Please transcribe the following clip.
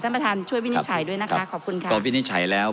ท่านประธานช่วยวินิจฉัยด้วยนะคะขอบคุณค่ะก็วินิจฉัยแล้ว